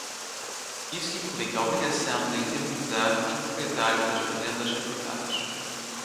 Isso implica a obrigação de indenizar os proprietários das fazendas afetadas.